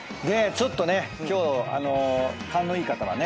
ちょっと今日勘のいい方はね